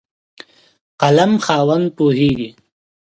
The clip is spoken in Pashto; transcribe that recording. قلم خاوند پوهېږي.